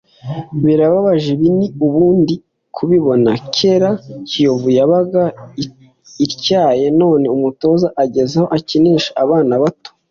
Birababaje ibi ni ubu ndi kubibona kera Kiyovu yabaga ityaye none umutoza ageze aho akinisha abana bato